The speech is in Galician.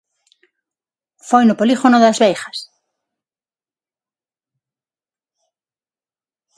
Foi no polígono das Veigas.